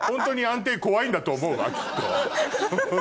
んだと思うわきっと。